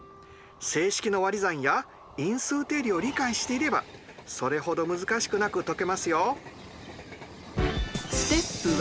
整式のわり算や因数定理を理解していればそれほど難しくなく解けますよ。